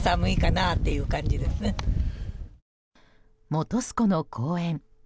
本栖湖の公園。